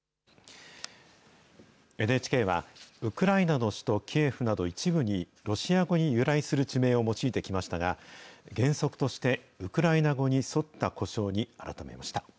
ＮＨＫは、ウクライナの首都キエフなど、一部にロシア語に由来する地名を用いてきましたが、原則として、ウクライナ語に沿った呼称に改めました。